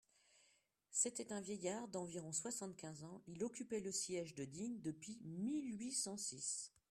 C'était un vieillard d'environ soixante-quinze ans, il occupait le siège de Digne depuis mille huit cent six.